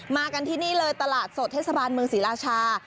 มากันที่นี่เลยตลาดสดเทศบาลเมืองศรีราชา